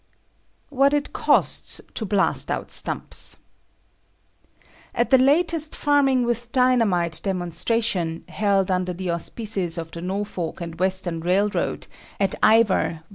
What it Costs to Blast Out Stumps. At the latest "Farming with Dynamite" demonstration, held under the auspices of the Norfolk and Western Railroad, at Ivor, Va.